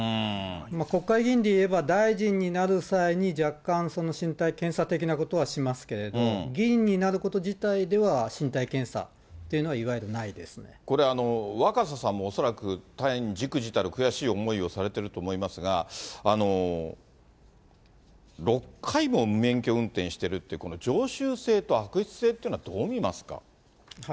国会議員で言えば、大臣になる際に、若干、身体検査的なことはしますけれども、議員になること自体では、身体検査っていうのは、これ、若狭さんも恐らく、大変じくじたる悔しい思いをされてると思いますが、６回も無免許運転してるって、この常習性と悪質性ってのは、どう見ますか？